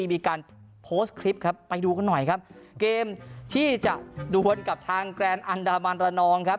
มีการโพสต์คลิปครับไปดูกันหน่อยครับเกมที่จะดวนกับทางแกรนดอันดามันระนองครับ